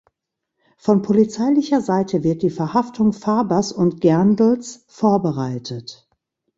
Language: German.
Von polizeilicher Seite wird die Verhaftung Fabers und Gerndls vorbereitet.